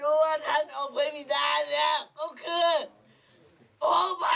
ไม่รู้ว่าท่านอวัติประพิดานี่ก็คือ